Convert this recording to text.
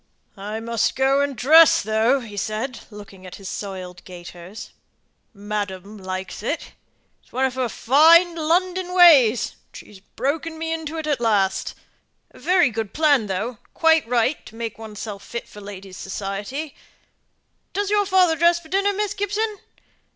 "I must go and dress, though," said he, looking at his soiled gaiters. "Madam likes it. It's one of her fine London ways, and she's broken me into it at last. Very good plan, though, and quite right to make oneself fit for ladies' society. Does your father dress for dinner, Miss Gibson?"